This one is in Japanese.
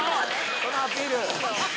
そのアピール。